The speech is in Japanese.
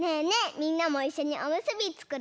みんなもいっしょにおむすびつくろう！